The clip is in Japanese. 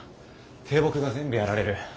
低木が全部やられる。